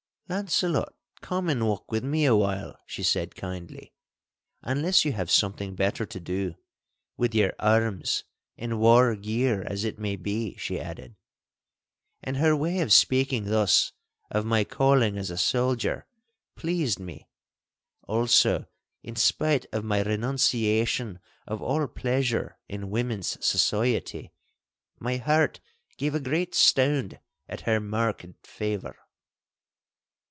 'Launcelot, come and walk with me awhile,' she said kindly, 'unless you have something better to do—with your arms and war gear as it may be,' she added. And her way of speaking thus of my calling as a soldier pleased me. Also in spite of my renunciation of all pleasure in women's society, my heart gave a great stound at her marked favour.